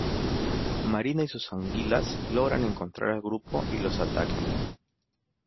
Marina y sus anguilas logran encontrar al grupo y los atacan.